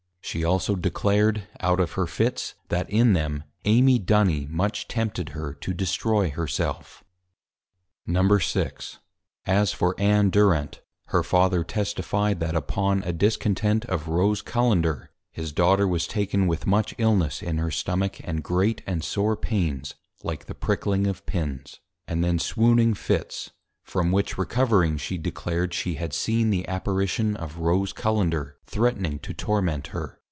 She also declared, out of her Fits, that in them, Amy Duny much tempted her to destroy her self. VI. As for Ann Durent, her Father Testified, That upon a Discontent of Rose Cullender, his Daughter was taken with much Illness in her Stomach and great and sore Pains, like the Pricking of Pins: and then Swooning Fits, from which Recovering, she declared, _She had seen the Apparition of +Rose Cullender+, Threatning to Torment her.